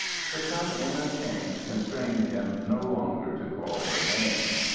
But some inner change constrained him no longer to call her name.